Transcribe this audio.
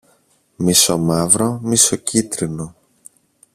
μισομαύρο-μισοκίτρινο